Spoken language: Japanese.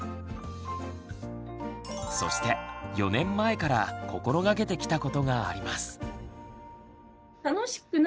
そして４年前から心がけてきたことがあります。